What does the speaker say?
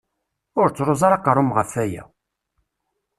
Ur ttruẓ ara aqerru-m ɣef aya!